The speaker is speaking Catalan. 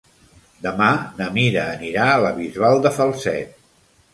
Demà na Mira anirà a la Bisbal de Falset.